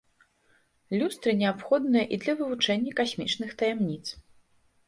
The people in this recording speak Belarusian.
Люстры неабходныя і для вывучэння касмічных таямніц.